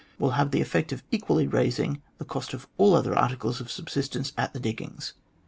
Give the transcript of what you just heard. will have the effect of equally raising the cost of all other articles of subsistence at the diggings.